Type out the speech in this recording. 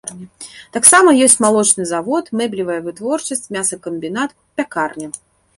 Таксама ёсць малочны завод, мэблевая вытворчасць, мясакамбінат, пякарня.